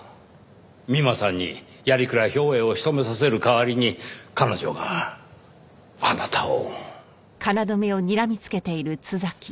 美馬さんに鑓鞍兵衛を仕留めさせる代わりに彼女があなたを。